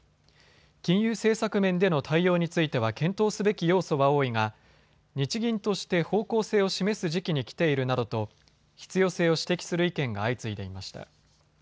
金融政策面での対応については検討すべき要素は多いが日銀として方向性を示す時期に来ているなどと必要性を指摘する意見が相次いでいました。